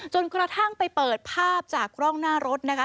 จนกระทั่งไปเปิดภาพจากกล้องหน้ารถนะคะ